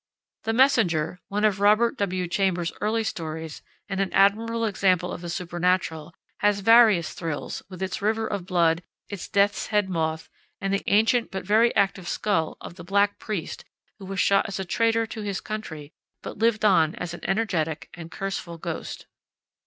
The Messenger, one of Robert W. Chambers's early stories and an admirable example of the supernatural, has various thrills, with its river of blood, its death's head moth, and the ancient but very active skull of the Black Priest who was shot as a traitor to his country, but lived on as an energetic and curseful ghost.